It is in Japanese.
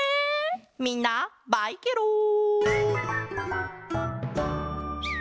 みんなバイケロン！